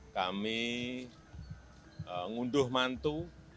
kami ngunduh mantu